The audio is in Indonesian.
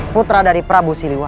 putra dari prabu siliwa